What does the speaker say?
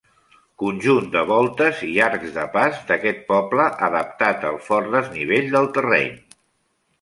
Conjunt de voltes i arcs de pas d'aquest poble adaptat al fort desnivell del terreny.